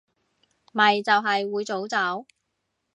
咪就係會早走